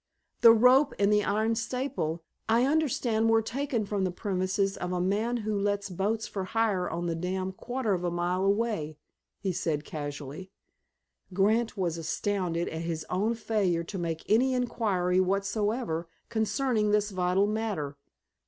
"The rope and iron staple, I understand, were taken from the premises of a man who lets boats for hire on the dam quarter of a mile away," he said casually. Grant was astounded at his own failure to make any inquiry whatsoever concerning this vital matter.